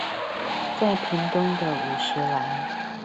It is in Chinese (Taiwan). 在屏東的五十嵐